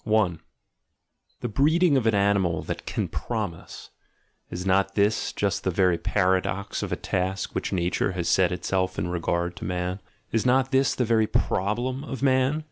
The breeding of an animal that can promise — is not this just that very paradox of a task which nature has set itself in regard to man? Is not this the very problem of man?